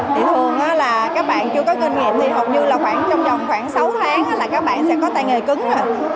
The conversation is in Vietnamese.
thì thường là các bạn chưa có kinh nghiệm thì hầu như là trong vòng khoảng sáu tháng là các bạn sẽ có tay nghề cứng rồi